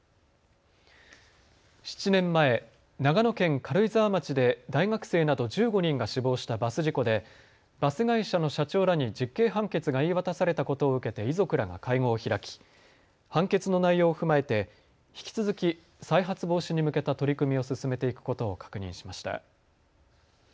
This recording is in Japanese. ７年前、長野県軽井沢町で大学生など１５人が死亡したバス事故でバス会社の社長らに実刑判決が言い渡されたことを受けて遺族らが会合を開き判決の内容を踏まえて引き続き再発防止に向けた取り組みを進めていくことを確認しました。